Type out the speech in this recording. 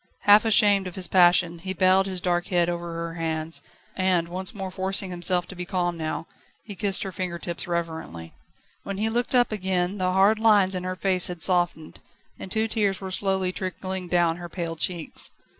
Half ashamed of his passion, he bowed his dark head over her hands, and, once more forcing himself to be calm now, he kissed her finger tips reverently. When he looked up again the hard lines in her face had softened, and two tears were slowly trickling down her pale cheeks.